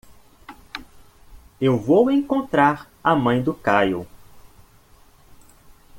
Eu vou encontrar a mãe do Kyle.